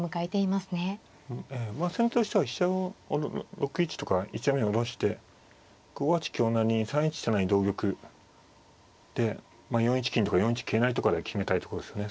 まあ先手としては飛車を６一とか一段目に下ろして５八香成に３一飛車成同玉で４一金とか４一桂成とかで決めたいとこですよね。